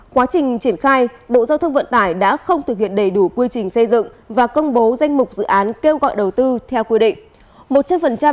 quá trình triển khai bộ giao thông vận tải đã không thực hiện đầy đủ quy trình xây dựng và công bố danh mục dự án kêu gọi đầu tư theo quy định